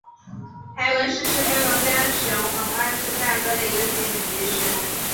海伦市是黑龙江省绥化市下辖的一个县级市。